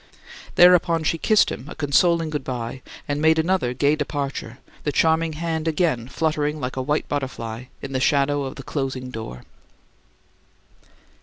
Thereupon she kissed him a consoling good bye, and made another gay departure, the charming hand again fluttering like a white butterfly in the shadow of the closing door.